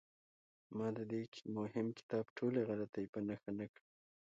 ما د دې مهم کتاب ټولې غلطۍ په نښه نه کړې.